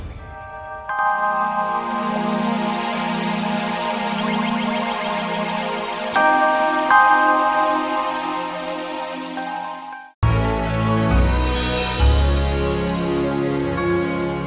kau aku ampuni